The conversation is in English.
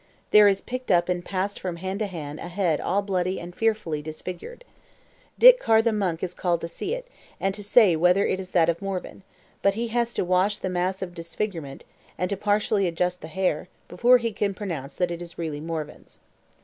There is picked up and passed from hand to hand a head all bloody and fearfully disfigured. Ditcar the monk is called to see it, and to say whether it is that of Morvan; but he has to wash the mass of disfigurement, and to partially adjust the hair, before he can pronounce that it is really Morvan's.